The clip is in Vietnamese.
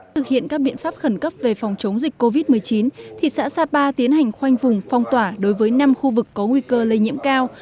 thực hiện các biện pháp khẩn cấp về phòng chống dịch covid một mươi chín thị xã sapa tiến hành khoanh vùng phong tỏa đối với năm khu vực có nguy cơ lây nhiễm cao